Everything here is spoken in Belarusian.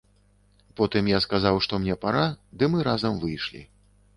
Потым я сказаў, што мне пара, ды мы разам выйшлі.